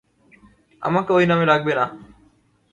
আমাকে ওই নামে ডাকবে না।